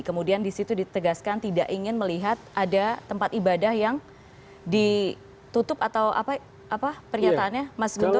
kemudian disitu ditegaskan tidak ingin melihat ada tempat ibadah yang ditutup atau apa pernyataannya mas guntur